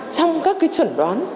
trong các chuẩn đoán